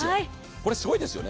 これすごいですよね。